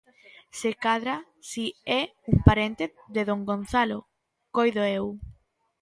Se cadra si é un parente de don Gonzalo, coido eu.